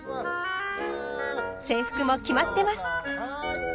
制服も決まってます！